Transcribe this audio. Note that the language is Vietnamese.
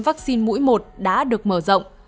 vaccine mũi một đã được mở rộng